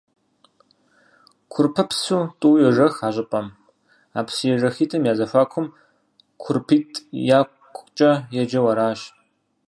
Курпыпсу тӀу йожэх а щӀыпӀэм, а псыежэхитӀым я зэхуакум «КурпитӀ якукӀэ» еджэу аращ.